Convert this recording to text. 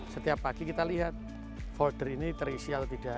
setiap pagi kita lihat folder ini terisi atau tidak